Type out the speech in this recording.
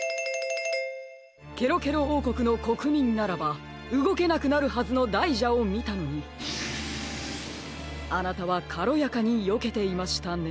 ケロケロおうこくのこくみんならばうごけなくなるはずのだいじゃをみたのにあなたはかろやかによけていましたね。